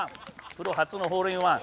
プロ初のホールインワン。